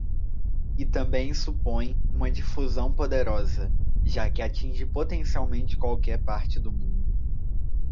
E também supõe uma difusão poderosa, já que atinge potencialmente qualquer parte do mundo.